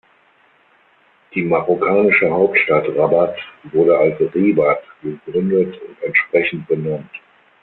Die marokkanische Hauptstadt Rabat wurde als Ribat gegründet und entsprechend benannt.